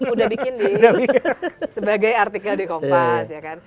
udah bikin sebagai artikel di kompas